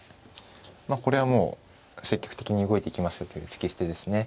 これはもう積極的に動いていきますよという突き捨てですね。